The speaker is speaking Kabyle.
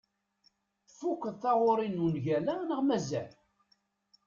Tfukkeḍ taɣuri n ungal-a neɣ mazal?